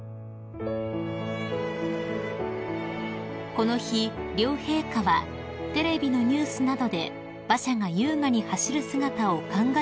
［この日両陛下はテレビのニュースなどで馬車が優雅に走る姿を感慨